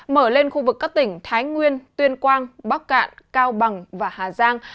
mở lên khu vực các tỉnh thái nguyên tuyên quang bắc cạn cao bằng và hà giang